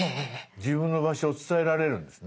自分の場所を伝えられるんですね。